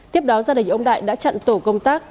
tiếp đó gia đình ông đại đã chặn tổ công tác